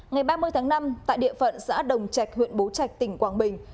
ngày ba mươi tháng năm tại địa phận xã đồng trạch huyện bố trạch tỉnh quảng bình